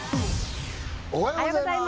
おはようございます